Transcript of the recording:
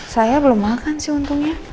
saya belum makan sih untungnya